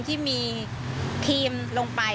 ใช่ค่ะ